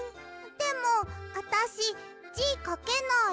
でもあたしじかけない。